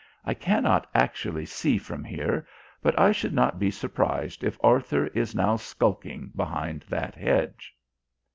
I cannot actually see from here, but I should not be surprised if Arthur is now skulking behind that hedge."